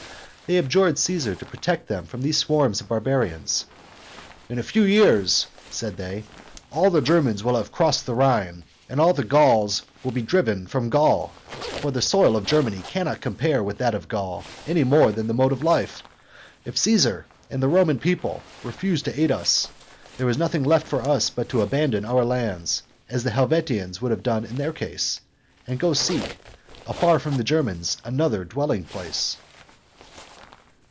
They adjured Caesar to protect them from these swarms of barbarians. "In a few years," said they, "all the Germans will have crossed the Rhine, and all the Gauls will be driven from Gaul, for the soil of Germany cannot compare with that of Gaul, any more than the mode of life. If Caesar and the Roman people refuse to aid us, there is nothing left for us but to abandon our lands, as the Helvetians would have done in their case, and go seek, afar from the Germans, another dwelling place."